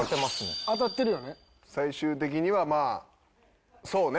最終的にはまあそうね。